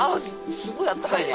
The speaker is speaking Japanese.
すごいあったかいね。